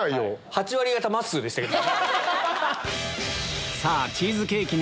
８割方まっすーでしたけど。